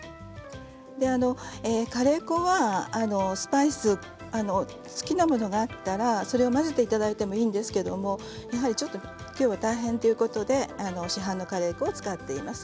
カレー粉はスパイス好きなものがあったらそれを混ぜていただいてもいいんですけどやはりちょっときょうは大変ということで市販のカレー粉を使っています。